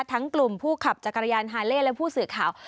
กลุ่มผู้ขับจักรยานฮาเล่และผู้สื่อข่าว